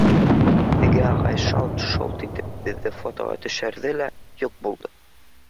Теге ағай шалт-шолт итеп беҙҙе фотоға төшөрҙө лә юҡ булды.